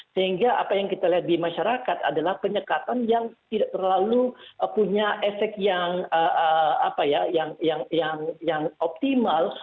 sehingga apa yang kita lihat di masyarakat adalah penyekatan yang tidak terlalu punya efek yang optimal